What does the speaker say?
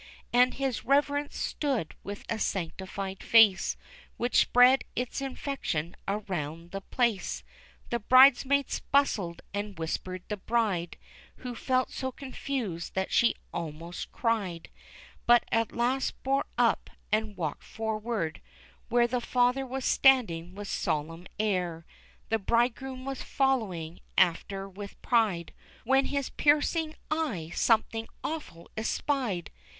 And his Rev'rence stood with a sanctified face, Which spread its infection around the place. The bridesmaid bustled and whispered the bride, Who felt so confused that she almost cried, But at last bore up and walked forward, where The Father was standing with solemn air; The bridegroom was following after with pride, When his piercing eye something awful espied!